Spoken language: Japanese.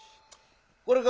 これか？